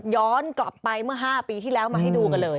ย้อนกลับไปเมื่อ๕ปีที่แล้วมาให้ดูกันเลย